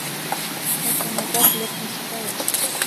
Эркын Овоп лектын шогалеш.